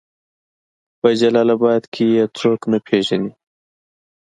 په جلال آباد کې يې څوک نه پېژني